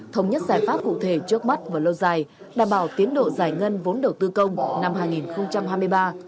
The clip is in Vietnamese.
thống nhất giải pháp cụ thể trước mắt và lâu dài đảm bảo tiến độ giải ngân vốn đầu tư công năm hai nghìn hai mươi ba